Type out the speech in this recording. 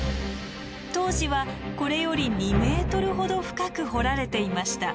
当時はこれより２ｍほど深く掘られていました。